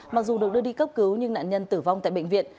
mặc dù được đưa đi cấp cứu nhưng nạn nhân tử vong tại bệnh viện